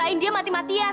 kamu belain dia mati matian